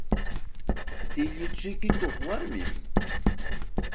Tilli chikikuq warmimi.